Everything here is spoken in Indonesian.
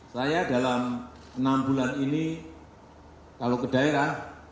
saya dalam enam bulan ini kalau ke daerah